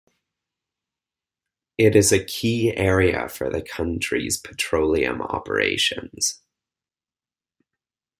It is a key area for the country's petroleum operations.